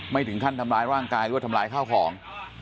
ไม่ถึงขั้นทำร้ายร่างกายหรือว่าทำร้ายข้าวของ